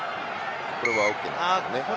これはＯＫなんですよね。